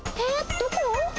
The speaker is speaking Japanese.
どこ？